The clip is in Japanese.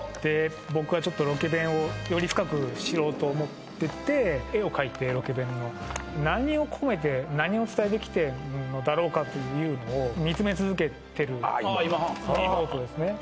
僕がちょっとロケ弁をより深く知ろうと思ってて絵を描いてロケ弁の何を込めて何を伝えてきてるのだろうかというのを見つめ続けてるノートですねああ